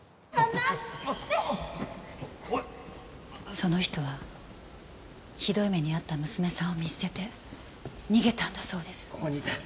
その人はひどい目に遭った娘さんを見捨てて逃げたんだそうです。